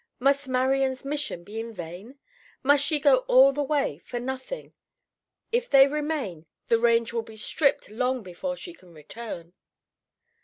Must Marian's mission be in vain? Must she go all that way for nothing? If they remain, the range will be stripped long before she can return!"